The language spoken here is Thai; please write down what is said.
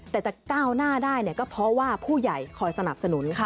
แต่จะก้าวหน้าได้ก็เพราะว่าผู้ใหญ่คอยสนับสนุน